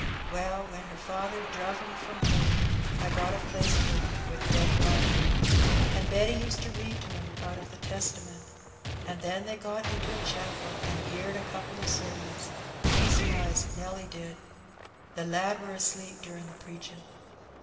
Wellj when her father drav 'em from home, I got a place for 'em wi' Betty Barker. An' Betty oBed to read to 'em oat o' the Testament. An' then they got into a chapel, an' heerd a conple o' Bermons — leastaway Nelly didj the lad were asleep durin' the preadiin'.